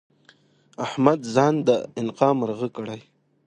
احمد ځان د انقا مرغه کړی؛